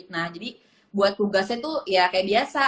nah jadi buat tugasnya tuh ya kayak biasa